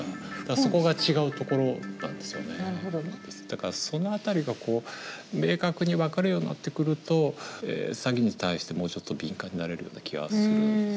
だからその辺りが明確に分かるようになってくると詐欺に対してもうちょっと敏感になれるような気はするんですよね。